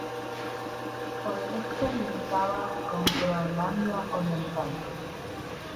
Por el este limitaba con Groenlandia Oriental.